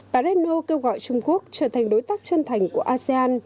bà reno kêu gọi trung quốc trở thành đối tác chân thành của asean